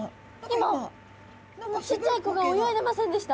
今ちっちゃい子が泳いでませんでした？